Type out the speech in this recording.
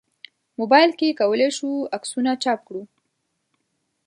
موبایل کې کولای شو عکسونه چاپ کړو.